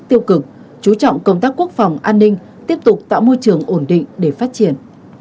tiêu cực chú trọng công tác quốc phòng an ninh tiếp tục tạo môi trường ổn định để phát triển